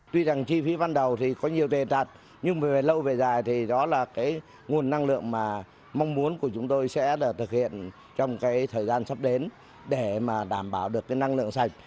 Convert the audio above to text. tuy rằng chi phí ban đầu thì có nhiều đề đạt nhưng mà về lâu về dài thì đó là cái nguồn năng lượng mà mong muốn của chúng tôi sẽ thực hiện trong cái thời gian sắp đến để mà đảm bảo được cái năng lượng sạch